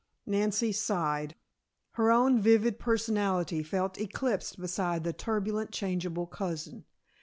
Nancy sighed. Her own vivid personality felt eclipsed beside the turbulent, changeable cousin.